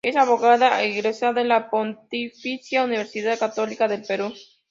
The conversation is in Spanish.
Es abogada egresada de la Pontificia Universidad Católica del Perú.